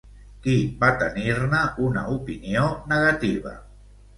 Qui va tenir-ne una opinió negativa?